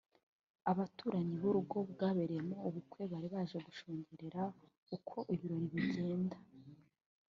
Abaturanyi b’urugo rwabereyemo ubukwe bari baje gushungera uko ibirori bigenda